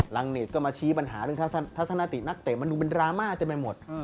เนตก็มาชี้ปัญหาเรื่องทัศนตินักเตะมันดูเป็นดราม่าเต็มไปหมด